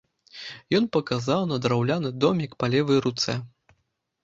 Ён паказаў на драўляны домік па левай руцэ.